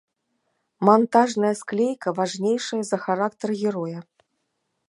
Мантажная склейка важнейшая за характар героя.